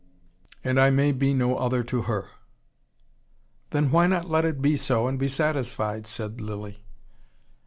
And I may be no other to her " "Then why not let it be so, and be satisfied?" said Lilly.